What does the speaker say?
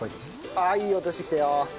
あっいい音してきたよ。